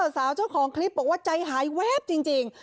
สาวเจ้าของคลิปบอกว่าใจหายแวบจริง